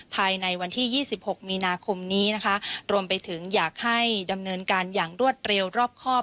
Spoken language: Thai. ภายในวันที่ยี่สิบหกมีนาคมนี้นะคะรวมไปถึงอยากให้ดำเนินการอย่างรวดเร็วรอบครอบ